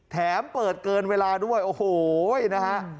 แถมเปิดเกินเวลาด้วยโอ้โหนะฮะ